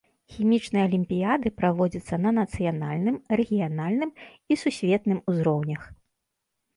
Хімічныя алімпіяды праводзяцца на нацыянальным, рэгіянальным і сусветным узроўнях.